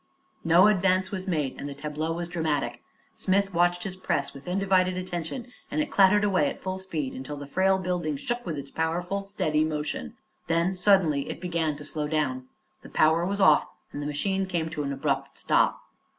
No advance was made and the tableau was dramatic. Smith watched his press with undivided attention and it clattered away at full speed until the frail building shook with its powerful, steady motion. Then suddenly it began to slow down. The power was off, and the machine came to an abrupt stop.